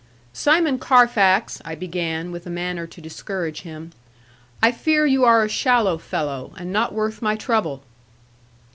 'Simon Carfax, I began, with a manner to discourage him; 'I fear you are a shallow fellow, and not worth my trouble.'